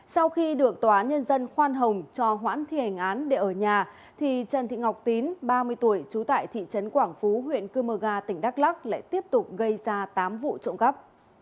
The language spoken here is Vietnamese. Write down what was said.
sau khi được tòa nhân dân khoan hồng cho hoãn thi hành án để ở nhà trần thị ngọc tín ba mươi tuổi chú tại thị trấn quảng phú huyện cư mơ ga tỉnh đắk lắc lại tiếp tục gây ra tám vụ trộm gắp